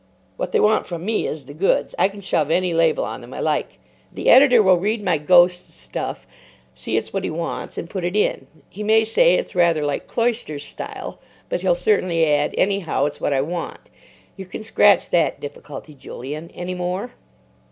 What they want from me is the goods. I can shove any label on them I like. The editor will read my ghosts' stuff, see it's what he wants, and put it in. He may say, 'It's rather like Cloyster's style,' but he'll certainly add, 'Anyhow, it's what I want.' You can scratch that difficulty, Julian. Any more?"